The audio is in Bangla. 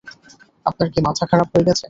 আপনার কি মাথা খারাপ হয়ে গেছে?